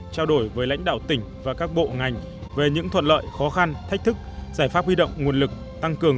trao đổi với lãnh đạo tỉnh và các bộ ngành về những thuận lợi khó khăn thách thức giải pháp huy động nguồn lực tăng cường